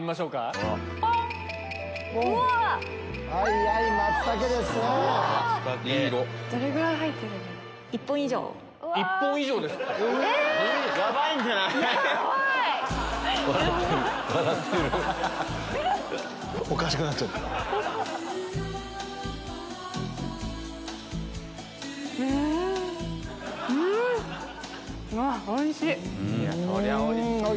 うわっおいしい！